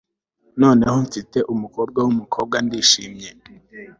Noneho ko mfite umukobwa wumukobwa ndishimye